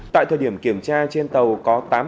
tại thời điểm kiểm tra trên tàu có tám